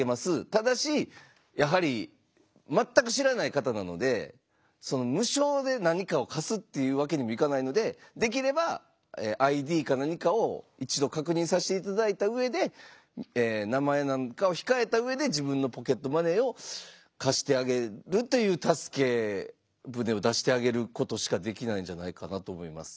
ただしやはり全く知らない方なので無償で何かを貸すっていうわけにもいかないのでできればＩＤか何かを一度確認させていただいた上で名前なんかを控えた上で自分のポケットマネーを貸してあげるという助け船を出してあげることしかできないんじゃないかなと思います。